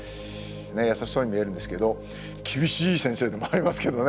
優しそうに見えるんですけど厳しい先生でもありますけどね。